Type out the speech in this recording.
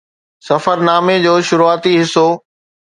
سفرنامي جو شروعاتي حصو